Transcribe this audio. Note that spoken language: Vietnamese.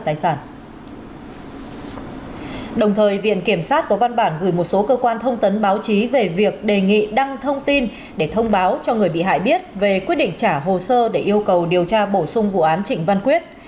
trong thời viện kiểm sát có văn bản gửi một số cơ quan thông tấn báo chí về việc đề nghị đăng thông tin để thông báo cho người bị hại biết về quyết định trả hồ sơ để yêu cầu điều tra bổ sung vụ án trịnh văn quyết